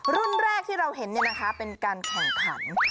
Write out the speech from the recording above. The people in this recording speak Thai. รุ่นแรกที่เราเห็นเนี่ยนะคะเป็นการแข่งขัน